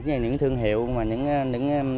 những thương hiệu những bán về mặt hàng rút và tôm khô